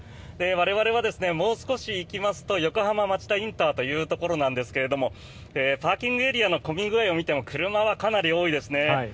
我々はもう少し行きますと横浜町田ＩＣというところですがパーキングエリアの混み具合を見ても車はかなり多いですね。